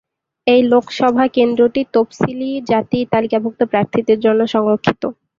এই লোকসভা কেন্দ্রটি তফসিলি জাতি-তালিকাভুক্ত প্রার্থীদের জন্য সংরক্ষিত।